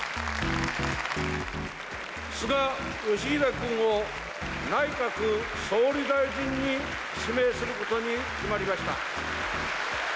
菅義偉君を内閣総理大臣に指名することに決まりました。